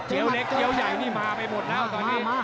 เจียวเล็กเจียวใหญ่นี่มาไปหมดนะตอนนี้